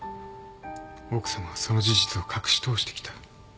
奥さまはその事実を隠しとおしてきた。